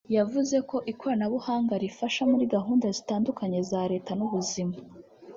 yavuze ko ikoranabuhanga rifasha muri gahunda zitandukanye za Leta n’ubuzima